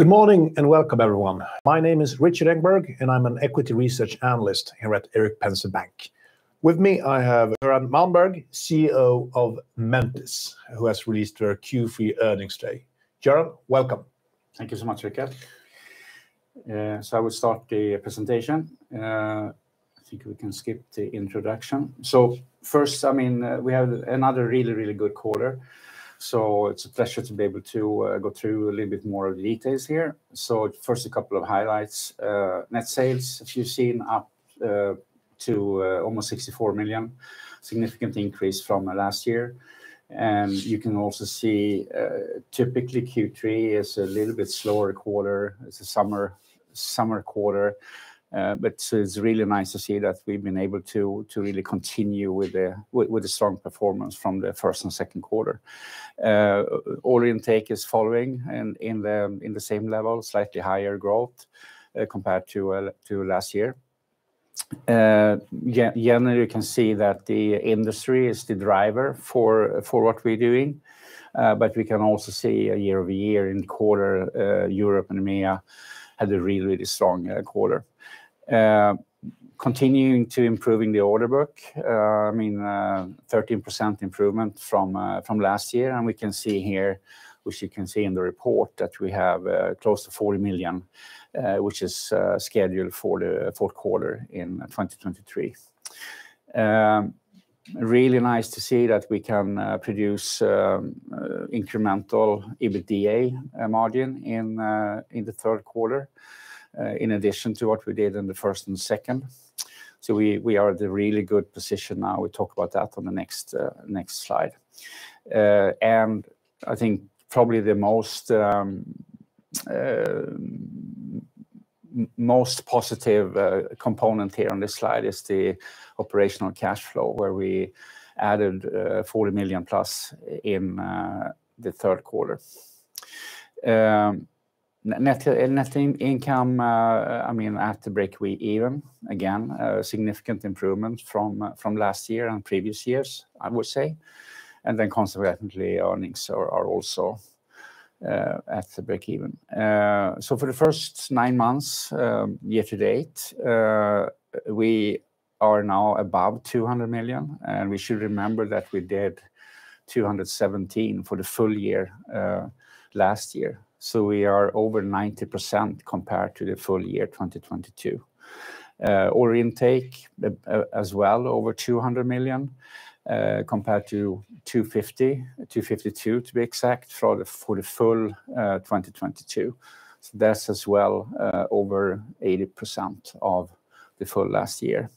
Good morning, and welcome, everyone. My name is Rikard Engberg, and I'm an equity research analyst here at Erik Penser Bank. With me, I have Göran Malmberg, CEO of Mentice, who has released their Q3 earnings today. Göran, welcome. Thank you so much, Rikard. So I will start the presentation. I think we can skip the introduction. So first, I mean, we have another really, really good quarter, so it's a pleasure to be able to go through a little bit more of the details here. So first, a couple of highlights. Net sales, as you've seen, up to almost 64 million, significant increase from last year. And you can also see, typically, Q3 is a little bit slower quarter. It's a summer, summer quarter, but it's really nice to see that we've been able to really continue with the strong performance from the first and second quarter. Order intake is following and in the same level, slightly higher growth, compared to last year. Generally, you can see that the industry is the driver for what we're doing. But we can also see a year-over-year in quarter, Europe and EMEA had a really, really strong quarter. Continuing to improving the order book, I mean, 13% improvement from last year. And we can see here, which you can see in the report, that we have close to 40 million, which is scheduled for the fourth quarter in 2023. Really nice to see that we can produce incremental EBITDA margin in the third quarter in addition to what we did in the first and second. So we are at a really good position now. We talk about that on the next slide. And I think probably the most positive component here on this slide is the operational cash flow, where we added 40 million plus in the third quarter. Net income, I mean, at the breakeven, we even again a significant improvement from last year and previous years, I would say. And then consequently, earnings are also at the breakeven. So for the first nine months, year to date, we are now above 200 million, and we should remember that we did 217 million for the full year last year. So we are over 90% compared to the full year, 2022. Order intake, as well, over 200 million, compared to 250, 252, to be exact, for the full 2022. So that's as well over 80% of the full last year.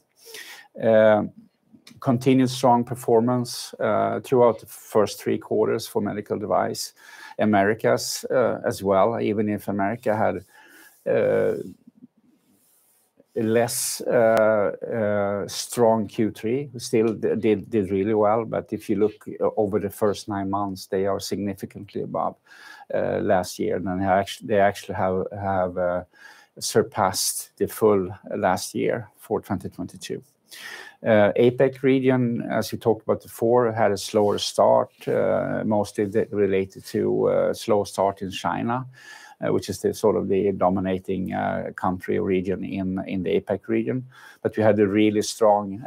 Continuous strong performance throughout the first three quarters for medical device. Americas, as well, even if Americas had a less strong Q3, still they did really well. But if you look over the first nine months, they are significantly above last year. And they actually have surpassed the full last year for 2022. APAC region, as we talked about before, had a slower start, mostly related to a slow start in China, which is the sort of the dominating country or region in the APAC region. But we had a really strong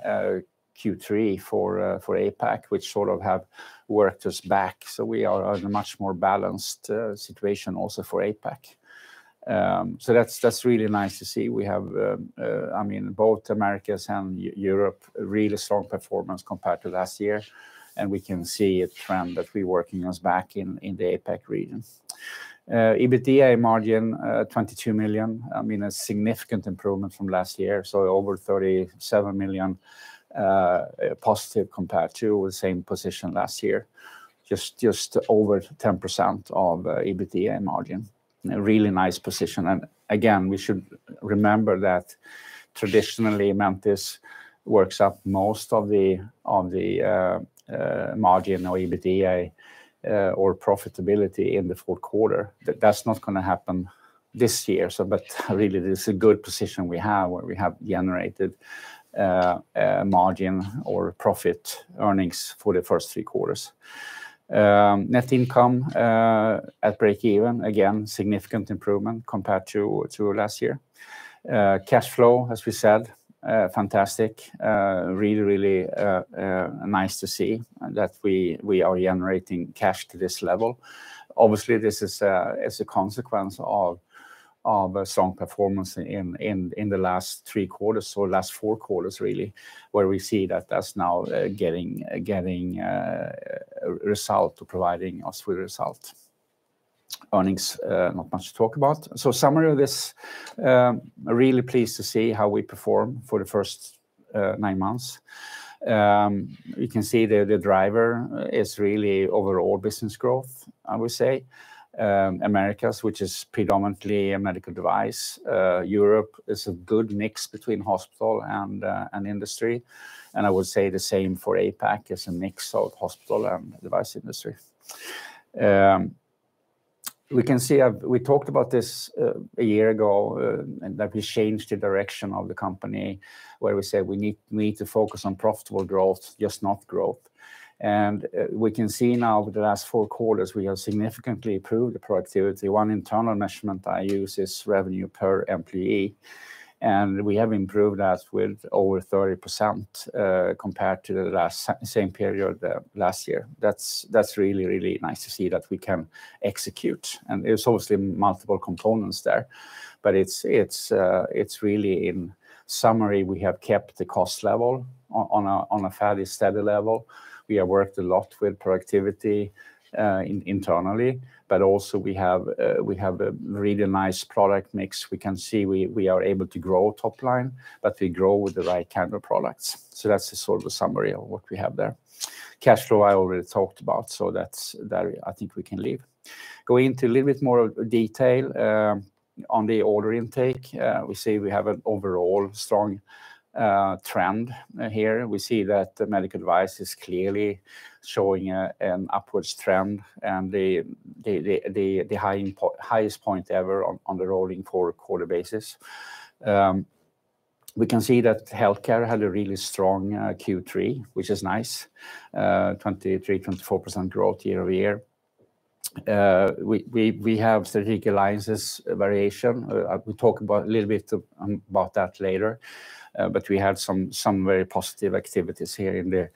Q3 for for APAC, which sort of have worked us back, so we are on a much more balanced situation also for APAC. So that's, that's really nice to see. We have, I mean, both Americas and Europe, a really strong performance compared to last year, and we can see a trend that we're working us back in, in the APAC region. EBITDA margin, 22 million, I mean, a significant improvement from last year. So over 37 million positive compared to the same position last year, just, just over 10% of EBITDA margin. A really nice position, and again, we should remember that traditionally, Mentice works up most of the, of the, margin or EBITDA, or profitability in the fourth quarter. That's not gonna happen this year, so but really, this is a good position we have, where we have generated a margin or profit earnings for the first three quarters. Net income at breakeven, again, significant improvement compared to last year. Cash flow, as we said, fantastic. Really, really nice to see that we are generating cash to this level. Obviously, this is as a consequence of a strong performance in the last three quarters or last four quarters, really, where we see that that's now getting a result or providing us with results. Earnings not much to talk about. So summary of this, really pleased to see how we perform for the first nine months. You can see the driver is really overall business growth, I would say. Americas, which is predominantly a medical device. Europe is a good mix between hospital and industry, and I would say the same for APAC. It's a mix of hospital and device industry. We can see, we talked about this, a year ago, and that we changed the direction of the company, where we said we need, we need to focus on profitable growth, just not growth. We can see now over the last four quarters, we have significantly improved the productivity. One internal measurement I use is revenue per employee, and we have improved that with over 30%, compared to the last same period, last year. That's, that's really, really nice to see that we can execute, and there's obviously multiple components there. But it's, it's, it's really in summary, we have kept the cost level on a, on a fairly steady level. We have worked a lot with productivity internally, but also we have, we have a really nice product mix. We can see we, we are able to grow top line, but we grow with the right kind of products. So that's the sort of summary of what we have there. Cash flow, I already talked about, so that's, that I think we can leave. Going into a little bit more of detail on the order intake, we see we have an overall strong trend here. We see that the medical device is clearly showing an upward trend, and the highest point ever on the rolling four-quarter basis. We can see that healthcare had a really strong Q3, which is nice, 23%-24% growth year-over-year. We have Strategic Alliances variation. I will talk about a little bit about that later. But we had some very positive activities here in the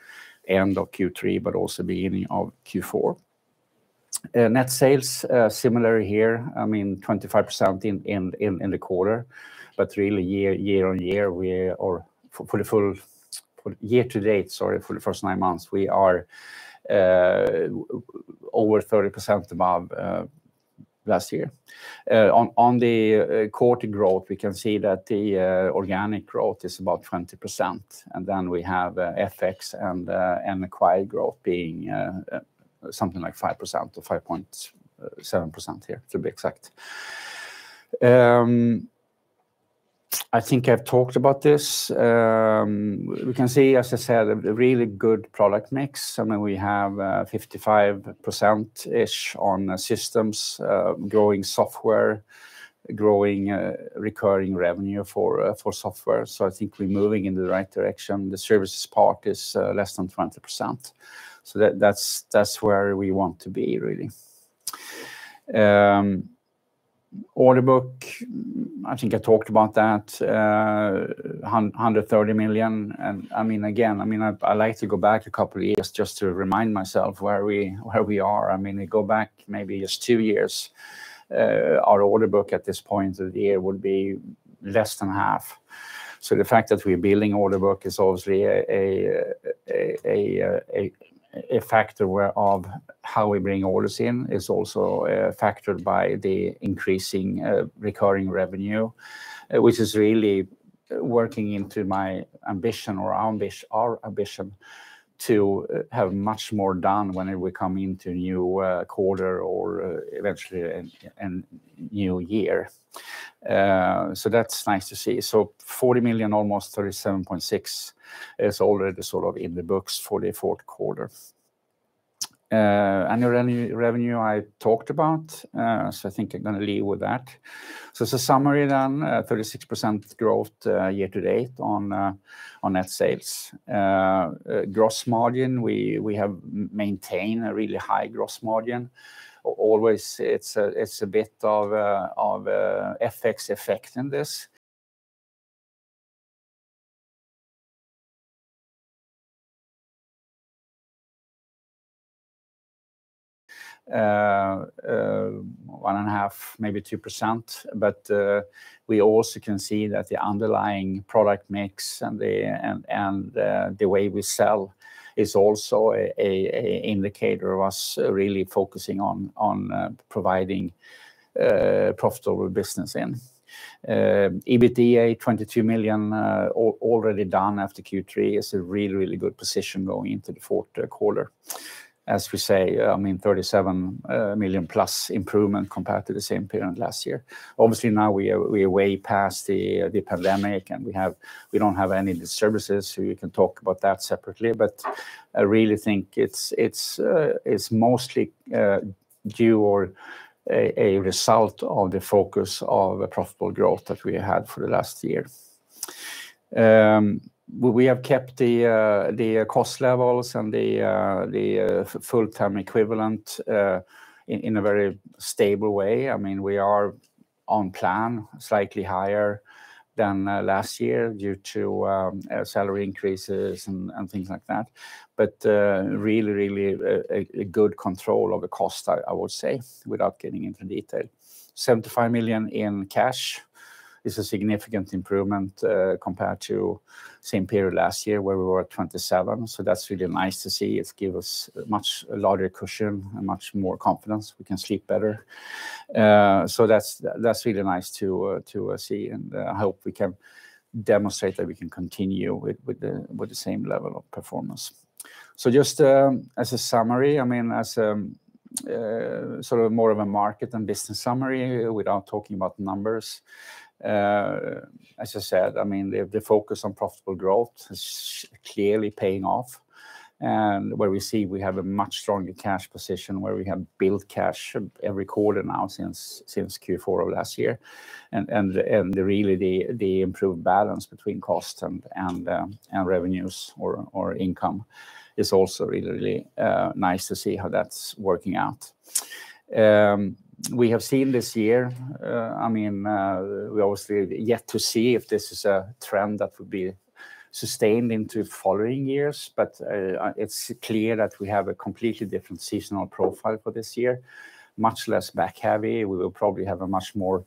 end of Q3, but also beginning of Q4. Net sales similar here, I mean, 25% in the quarter, but really year-on-year, we are for the full year to date, sorry, for the first nine months, we are over 30% above last year. On the quarter growth, we can see that the organic growth is about 20%, and then we have FX and acquired growth being something like 5% or 5.7% here, to be exact. I think I've talked about this. We can see, as I said, a really good product mix. I mean, we have 55%ish on systems, growing software, growing recurring revenue for software. So I think we're moving in the right direction. The services part is less than 20%. So that's where we want to be, really. Order book, I think I talked about that, 130 million. I mean, again, I mean, I like to go back a couple of years just to remind myself where we are. I mean, we go back maybe just two years, our order book at this point of the year would be less than half. So the fact that we're building order book is obviously a factor where of how we bring orders in, is also factored by the increasing recurring revenue, which is really working into my ambition or our ambition to have much more done when we come into a new quarter or eventually a new year. So that's nice to see. So 40 million, almost 37.6, is already sort of in the books for the fourth quarter. Annual revenue, I talked about, so I think I'm gonna leave with that. So as a summary then, 36% growth year to date on net sales. Gross margin, we have maintained a really high gross margin. Always it's a bit of FX effect in this. One and a half, maybe two percent, but we also can see that the underlying product mix and the way we sell is also an indicator of us really focusing on providing profitable business in. EBITDA, 22 million already done after Q3, is a really good position going into the fourth quarter. As we say, I mean, 37 million+ improvement compared to the same period last year. Obviously, now we are way past the pandemic, and we have we don't have any disturbances, so we can talk about that separately. But I really think it's mostly due or a result of the focus of the profitable growth that we had for the last year. We have kept the cost levels and the full-time equivalent in a very stable way. I mean, we are on plan, slightly higher than last year due to salary increases and things like that. But really, a good control of the cost, I would say, without getting into detail. 75 million in cash is a significant improvement, compared to same period last year, where we were at 27 million. So that's really nice to see. It gives us a much larger cushion and much more confidence. We can sleep better. So that's really nice to see, and I hope we can demonstrate that we can continue with the same level of performance. So just as a summary, I mean, sort of more of a market and business summary without talking about numbers. As I said, I mean, the focus on profitable growth is clearly paying off. And where we see we have a much stronger cash position, where we have built cash every quarter now since Q4 of last year. And really the improved balance between cost and revenues or income is also really nice to see how that's working out. We have seen this year, I mean, we obviously yet to see if this is a trend that would be sustained into following years, but it's clear that we have a completely different seasonal profile for this year, much less back heavy. We will probably have a much more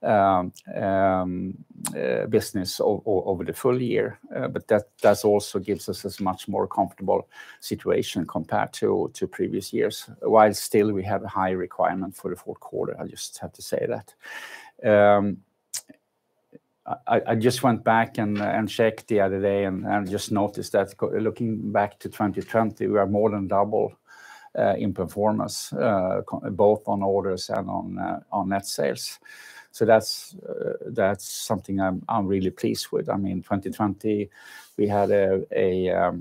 distributive business over the full year. But that also gives us a much more comfortable situation compared to previous years, while still we have a high requirement for the fourth quarter. I just have to say that. I just went back and checked the other day and just noticed that looking back to 2020, we are more than double in performance, both on orders and on net sales. So that's something I'm really pleased with. I mean, 2020, we had a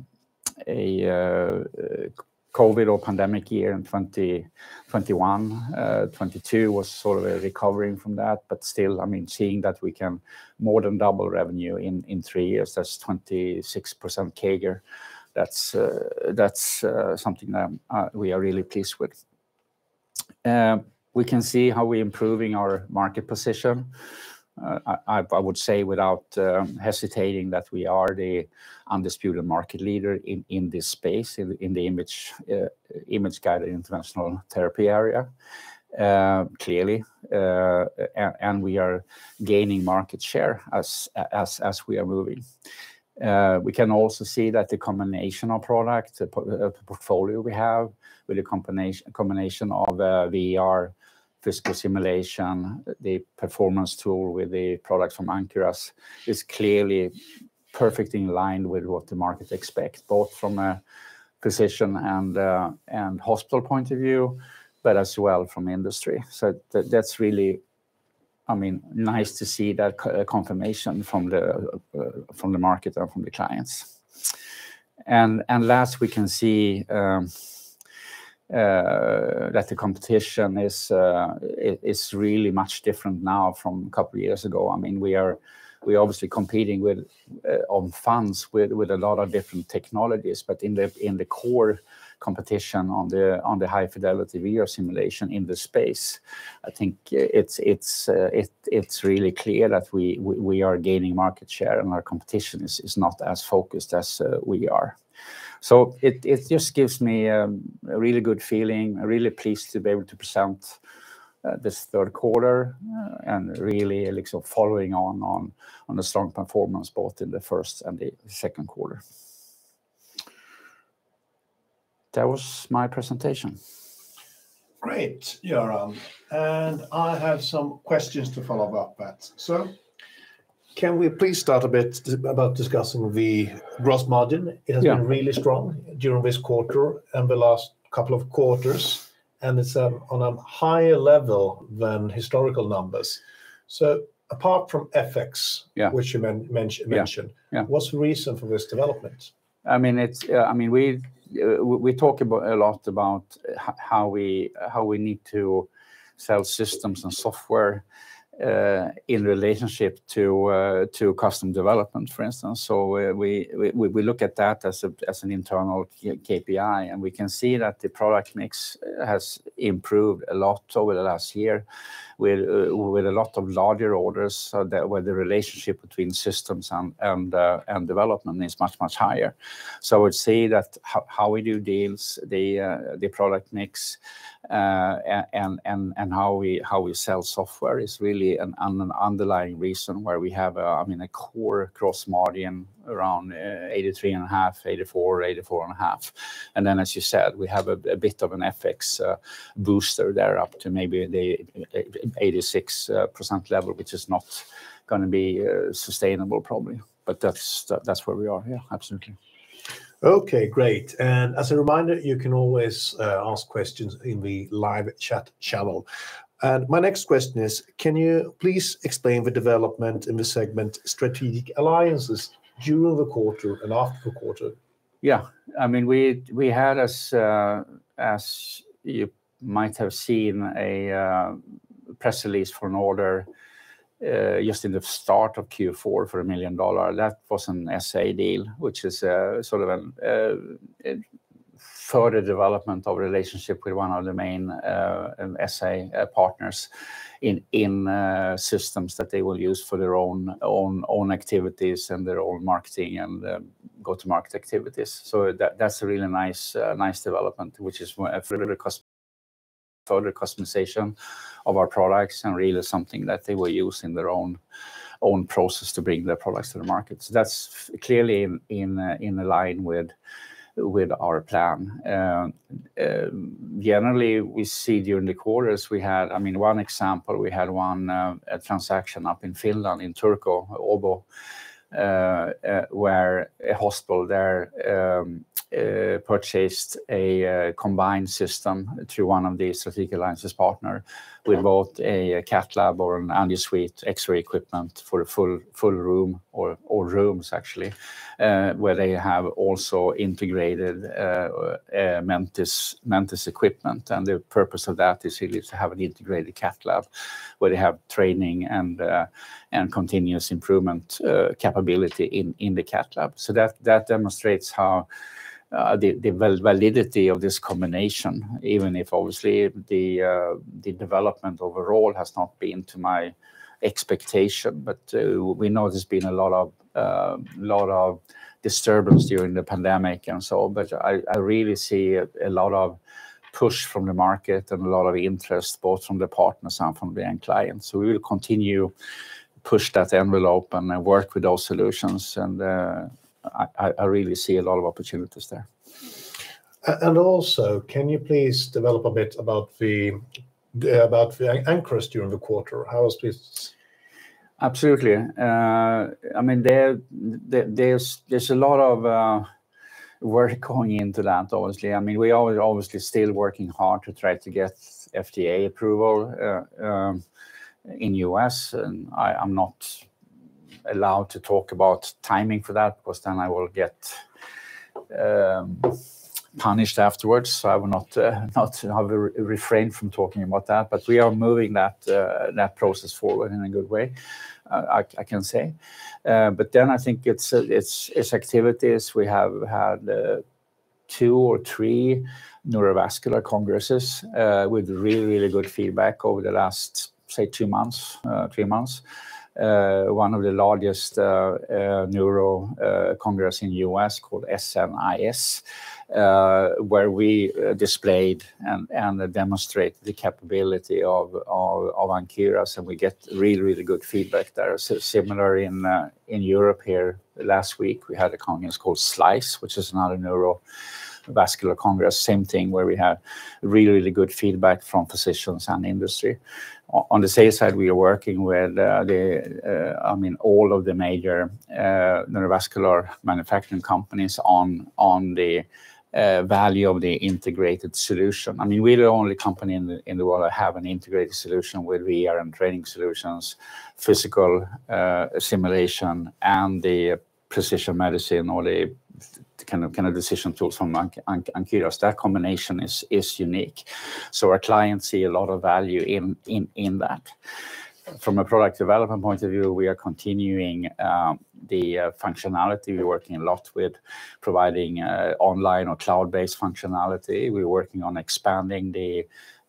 COVID or pandemic year, and 2021, 2022 was sort of a recovering from that. But still, I mean, seeing that we can more than double revenue in three years, that's 26% CAGR. That's something that we are really pleased with. We can see how we're improving our market position. I would say without hesitating that we are the undisputed market leader in this space, in the image-guided interventional therapy area, clearly. And we are gaining market share as we are moving. We can also see that the combination of product, the portfolio we have, with the combination of VR physical simulation, the performance tool with the products from Ankyras, is clearly perfectly in line with what the market expects, both from a physician and hospital point of view, but as well from industry. So that's really, I mean, nice to see that confirmation from the market and from the clients. Last we can see that the competition is really much different now from a couple of years ago. I mean, we're obviously competing with on funds with a lot of different technologies, but in the core competition on the high-fidelity VR simulation in the space, I think it's really clear that we are gaining market share, and our competition is not as focused as we are. So it just gives me a really good feeling. I'm really pleased to be able to present this third quarter and really, like, sort of following on the strong performance, both in the first and the second quarter. That was my presentation. Great, Göran, and I have some questions to follow up that. So can we please start a bit about discussing the gross margin? Yeah. It has been really strong during this quarter and the last couple of quarters, and it's on a higher level than historical numbers. So apart from FX- Yeah... which you mentioned. Yeah, yeah. What's the reason for this development? I mean, it's, I mean, we've, we talk a lot about how we need to sell systems and software in relationship to custom development, for instance. So we look at that as an internal KPI, and we can see that the product mix has improved a lot over the last year, with a lot of larger orders, so that where the relationship between systems and development is much higher. So I would say that how we do deals, the product mix, and how we sell software is really an underlying reason where we have, I mean, a gross margin around 83.5%-84.5%. Then, as you said, we have a bit of an FX booster there up to maybe the 86% level, which is not gonna be sustainable probably. But that's where we are. Yeah, absolutely. Okay, great. And as a reminder, you can always ask questions in the live chat channel. And my next question is, can you please explain the development in the segment Strategic Alliances during the quarter and after the quarter? Yeah. I mean, we had as you might have seen, a press release for an order just in the start of Q4 for $1 million. That was an SA deal, which is a sort of a further development of relationship with one of the main SA partners in systems that they will use for their own activities and their own marketing and go-to-market activities. So that's a really nice development, which is a really further customization of our products and really something that they will use in their own process to bring their products to the market. So that's clearly in align with our plan. Generally, we see during the quarters. I mean, one example, we had one, a transaction up in Finland, in Turku, Åbo, where a hospital there purchased a combined system through one of the Strategic Alliances partner- Yeah ... with both a cath lab or an angio suite X-ray equipment for a full room or rooms actually, where they have also integrated Mentice equipment. And the purpose of that is really to have an integrated cath lab, where they have training and continuous improvement capability in the cath lab. So that demonstrates how the validity of this combination, even if obviously the development overall has not been to my expectation. But we know there's been a lot of disturbance during the pandemic and so on. But I really see a lot of push from the market and a lot of interest, both from the partners and from the end clients. So we will continue push that envelope and work with those solutions, and, I really see a lot of opportunities there. and also, can you please develop a bit about the, about the Ankyras during the quarter? How is this- Absolutely. I mean, there's a lot of work going into that, obviously. I mean, we are obviously still working hard to try to get FDA approval in U.S., and I'm not allowed to talk about timing for that, because then I will get punished afterwards. So I will not. I will refrain from talking about that. But we are moving that process forward in a good way, I can say. But then I think it's activities. We have had two or three neurovascular congresses with really, really good feedback over the last, say, two months, three months. One of the largest neuro congress in U.S. called SNIS, where we displayed and demonstrated the capability of Ankyras, and we get really good feedback there. So similar in Europe here, last week, we had a congress called SLICE, which is not a neurovascular congress. Same thing, where we had really good feedback from physicians and industry. On the sales side, we are working with I mean, all of the major neurovascular manufacturing companies on the value of the integrated solution. I mean, we're the only company in the world to have an integrated solution, where we are in training solutions, physical simulation, and the precision medicine or the kind of decision tools from Ankyras. That combination is unique, so our clients see a lot of value in that. From a product development point of view, we are continuing the functionality. We're working a lot with providing online or cloud-based functionality. We're working on expanding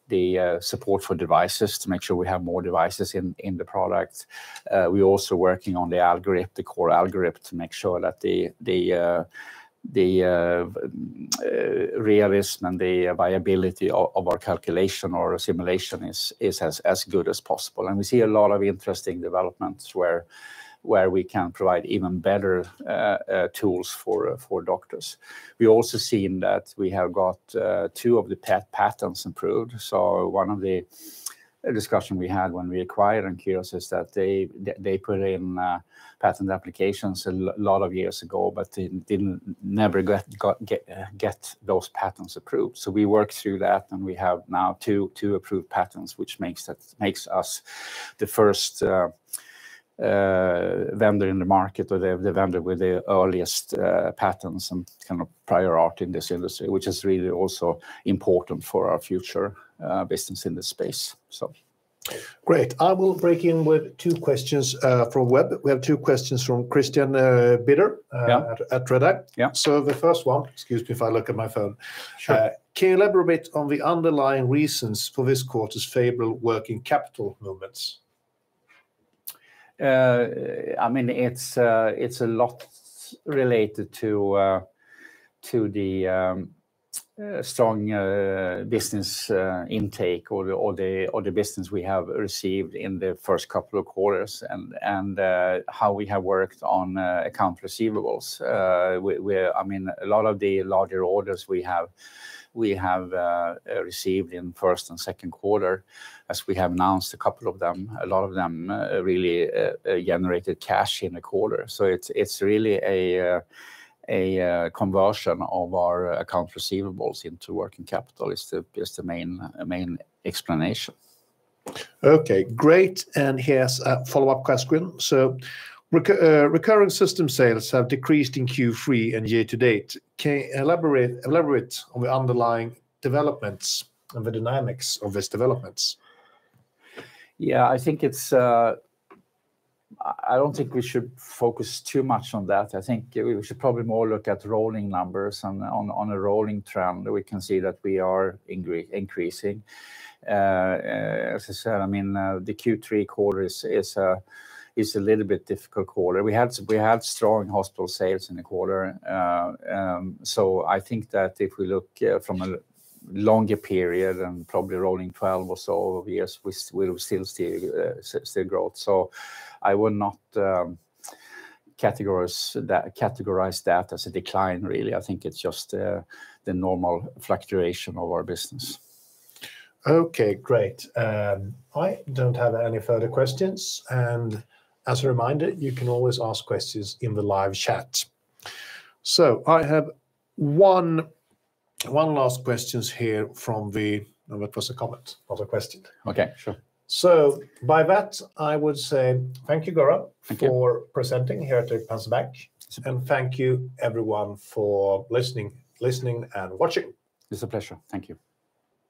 the support for devices to make sure we have more devices in the product. We're also working on the algorithm, the core algorithm, to make sure that the realism and the viability of our calculation or assimilation is as good as possible. And we see a lot of interesting developments where we can provide even better tools for doctors. We also seen that we have got two of the patents approved. So one of the discussions we had when we acquired Ankyras is that they put in patent applications a lot of years ago, but they didn't get those patents approved. So we worked through that, and we have now two approved patents, which makes that makes us the first vendor in the market, or the vendor with the earliest patents and kind of prior art in this industry, which is really also important for our future business in this space, so. Great. I will break in with two questions from web. We have two questions from Christian Binder. Yeah... at Redeye. Yeah. The first one... Excuse me if I look at my phone. Sure. Can you elaborate on the underlying reasons for this quarter's favorable working capital movements? I mean, it's a lot related to the strong business intake or the business we have received in the first couple of quarters, and how we have worked on accounts receivable. I mean, a lot of the larger orders we have received in first and second quarter, as we have announced a couple of them, a lot of them really generated cash in the quarter. So it's really a conversion of our accounts receivable into working capital that is the main explanation. Okay, great. And here's a follow-up question. So recurring system sales have decreased in Q3 and year to date. Can you elaborate on the underlying developments and the dynamics of these developments? Yeah, I think it's. I don't think we should focus too much on that. I think we should probably more look at rolling numbers. On a rolling trend, we can see that we are increasing. As I said, I mean, the Q3 quarter is a little bit difficult quarter. We had strong hospital sales in the quarter. So I think that if we look from a longer period and probably rolling 12 or so years, we will still see still growth. So I would not categorize that as a decline, really. I think it's just the normal fluctuation of our business. Okay, great. I don't have any further questions, and as a reminder, you can always ask questions in the live chat. So I have one last questions here from the—no, that was a comment, not a question. Okay, sure. So by that, I would say thank you, Göran- Thank you... for presenting here at Penser Bank, and thank you everyone for listening and watching. It's a pleasure. Thank you.